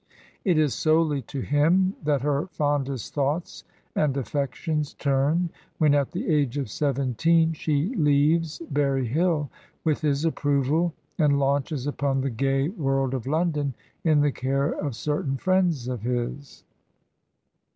It is solely to him that her fondest thoughts and a£Pections turn when at the age of seventeen she leaves Berry Hill with his approval and launches upon the gay world of London in the care of certain friends of his.